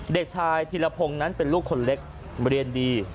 เด็กชายธีรพงศ์นั้นเป็นลูกคนเล็กเรียนดี